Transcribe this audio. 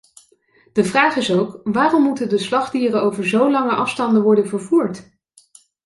De vraag is ook: waarom moeten de slachtdieren over zo lange afstanden worden vervoerd?